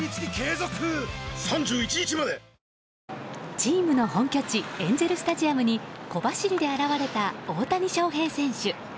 チームの本拠地エンゼル・スタジアムに小走りで現れた大谷翔平選手。